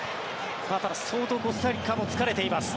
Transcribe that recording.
ただ、相当コスタリカも疲れています。